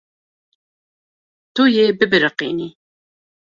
Tu yê bibiriqînî.